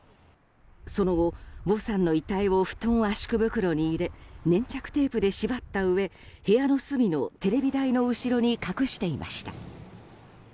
その後、ヴォさんの遺体を布団圧縮袋に入れ粘着テープで縛ったうえ部屋の隅のテレビ台の後ろに隠していました。